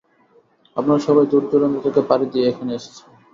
আপনারা সবাই দূর-দূরান্ত থেকে পাড়ি দিয়ে এখানে এসেছেন।